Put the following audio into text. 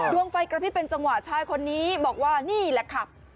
ดวงไฟกระพริบเป็นจังหวะชายคนนี้บอกว่านี่แหละค่ะ